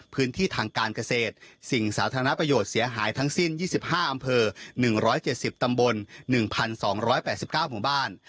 พื้นที่ทางการเกษตรสิ่งสาธารณประโยชน์เสียหายทั้งสิ้นยี่สิบห้าอำเภอหนึ่งร้อยเจ็ดสิบตำบลหนึ่งพันสองร้อยแปดสิบเก้าหมู่บ้าน